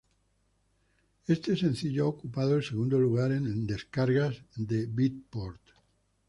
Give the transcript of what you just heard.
Este sencillo ha ocupado el segundo lugar en descargas de Beatport.